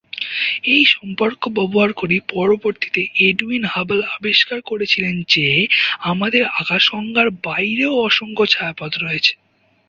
এই সম্পর্ক ব্যবহার করেই পরবর্তীতে এডুইন হাবল আবিষ্কার করেছিলেন যে, আমাদের আকাশগঙ্গার বাইরেও অসংখ্য ছায়াপথ রয়েছে।